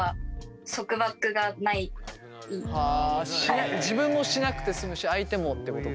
自分もしなくて済むし相手もってことか。